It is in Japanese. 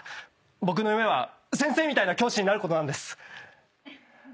僕の夢は先生みたいな教師になることなんです。